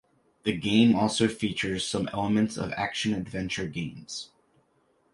The game also features some elements of action-adventure games.